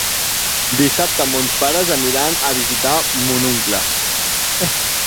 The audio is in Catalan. Dissabte mons pares aniran a visitar mon oncle.